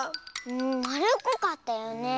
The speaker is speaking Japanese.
まるっこかったよねえ。